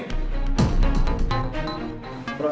dia lagi bucin